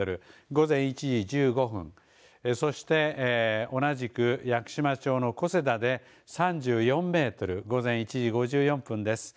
午前１時１５分そして同じく屋久島町の小瀬田で３４メートル午前１時５４分です。